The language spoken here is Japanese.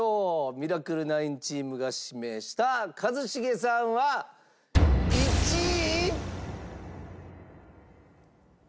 ミラクル９チームが指名した一茂さんは１位。